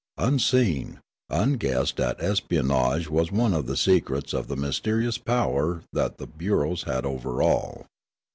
Unseen, unguessed at espionage was one of the secrets of the mysterious power that the bureaus had over all.